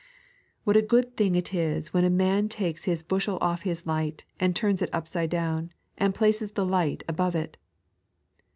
What a good thing it is when a man takes his bushel off his light and turns it upside down, and places the light above it